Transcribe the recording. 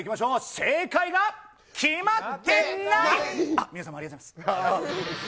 正解が決まってない！